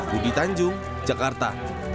budi tanjung jakarta